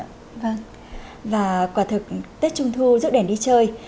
vâng và quả thực tết trung thu rước đèn đi chơi